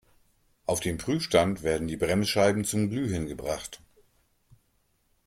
Auf dem Prüfstand werden die Bremsscheiben zum Glühen gebracht.